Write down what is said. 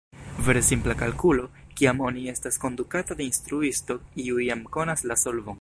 Vere simpla kalkulo, kiam oni estas kondukata de instruisto kiu jam konas la solvon.